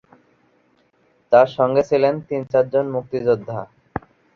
তার সঙ্গে ছিলেন তিন-চারজন মুক্তিযোদ্ধা।